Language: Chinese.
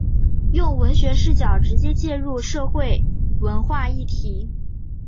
用文学视角直接介入社会文化议题。